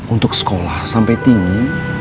untuk sekolah sampai tinggi